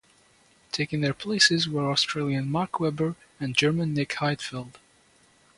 Taking their places were Australian Mark Webber and German Nick Heidfeld.